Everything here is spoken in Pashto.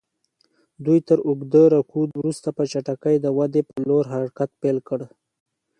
دوی تر اوږده رکود وروسته په چټکۍ د ودې پر لور حرکت پیل کړ.